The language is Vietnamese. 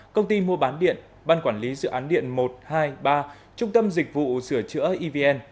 công ty mua bán điện ban quản lý dự án điện một trăm hai mươi ba trung tâm dịch vụ sửa chữa evn